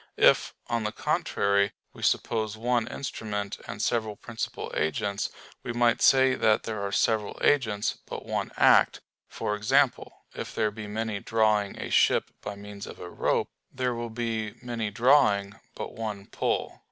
If, on the contrary, we suppose one instrument and several principal agents, we might say that there are several agents, but one act; for example, if there be many drawing a ship by means of a rope; there will be many drawing, but one pull.